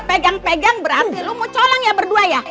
pegang pegang berarti lo mau colang ya berdua ya